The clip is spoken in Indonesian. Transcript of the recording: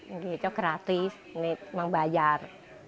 ini juga gratis ini memang bayar